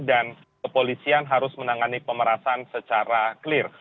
dan kepolisian harus menangani pemerasan secara clear